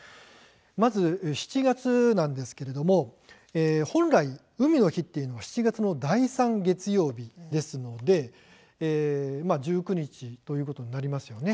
まず７月なんですけれども本来、海の日というのは７月の第３月曜日ですので１９日ということになりますね。